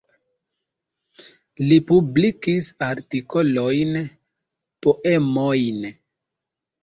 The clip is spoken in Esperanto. Li publikis artikolojn, poemojn.